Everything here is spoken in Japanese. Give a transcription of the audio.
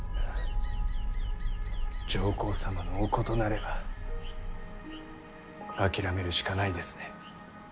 上皇様の御子となれば諦めるしかないですね。